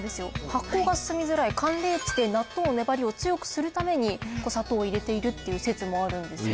発酵が進みづらい寒冷地で納豆の粘りを強くするために砂糖を入れているっていう説もあるんですよ。